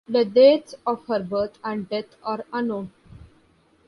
The dates of her birth and death are unknown.